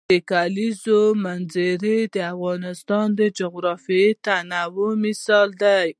د کلیزو منظره د افغانستان د جغرافیوي تنوع مثال دی.